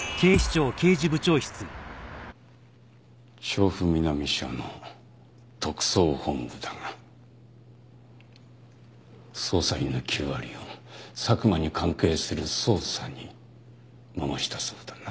調布南署の特捜本部だが捜査員の９割を佐久間に関係する捜査に回したそうだな。